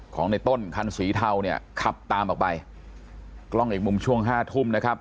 ของในต้นคันสีเทาเนี่ยขับตามออกไปกล้องอีกมุมช่วงห้าทุ่มนะครับ